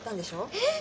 えっ？